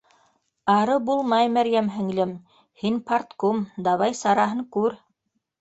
Ары булмай, Мәрйәм һеңлем, һин — парткум, давай, сараһын күр